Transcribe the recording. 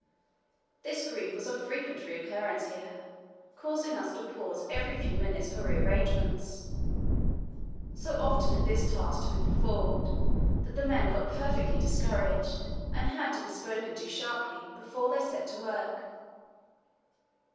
This grief was of frequent recurrence here, causing us to pause every few minutes for re arrangements. So often had this task to be performed, that the men got perfectly discouraged, and had to bespoken to sharply before they set to work.